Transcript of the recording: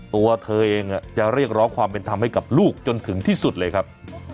ตัวเธอเองจะเรียกร้องความเป็นธรรมให้กับลูกจนถึงที่สุดเลยครับ